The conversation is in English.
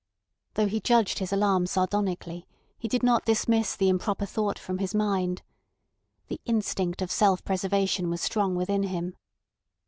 Though he judged his alarm sardonically he did not dismiss the improper thought from his mind. The instinct of self preservation was strong within him.